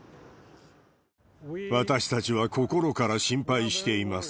私たちは心から心配しています。